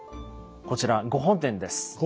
こちら御本殿です。